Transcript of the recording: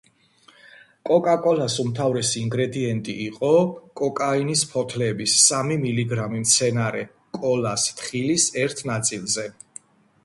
კოკა-კოლას უმთავრესი ინგრედიენტი იყო კოკაინის ფოთლების სამი მილიგრამი მცენარე კოლას თხილის ერთ ნაწილზე.